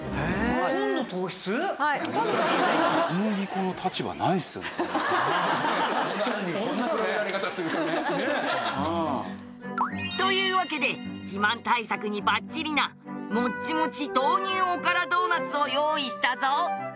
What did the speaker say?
こんな比べられ方するとね。というわけで肥満対策にバッチリなもっちもっち豆乳おからドーナツを用意したぞ！